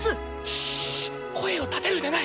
しっ声を立てるでない。